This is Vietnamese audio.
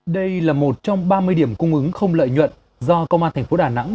đây là một trong ba mươi điểm cung ứng không lợi nhuận do công an thành phố đà nẵng